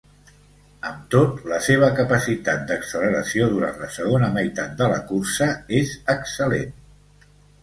Amb tot, la seva capacitat d'acceleració durant la segona meitat de la cursa és excel·lent.